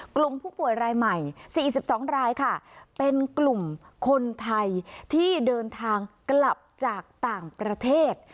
กลุ่มผู้ป่วยรายใหม่๔๒รายค่ะเป็นกลุ่มคนไทยที่เดินทางกลับจากต่างประเทศ